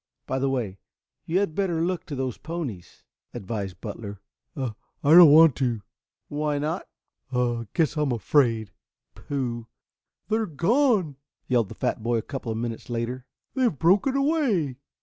By the way, you had better look to those ponies," advised Butler. "I I don't want to." "Why not?" "I guess I'm afraid." "Pooh!" "They're gone!" yelled the fat boy a couple of minutes later. "They have broken away."